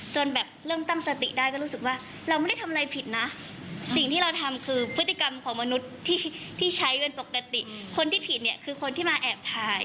จนแบบเริ่มตั้งสติได้ก็รู้สึกว่าเราไม่ได้ทำอะไรผิดนะสิ่งที่เราทำคือพฤติกรรมของมนุษย์ที่ใช้เป็นปกติคนที่ผิดเนี่ยคือคนที่มาแอบถ่าย